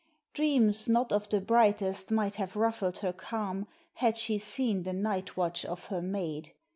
Dreams not of the brightest might have ruffled her calm had she seen the night watch of her maid.